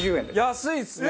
安いですね！